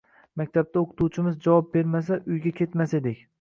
Maktabda oʻqituvchimiz javob bermasa, uyga ketmas edik